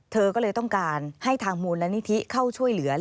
เธอก็เลยต้องการให้ทางมูลนิธิเข้าช่วยเหลือ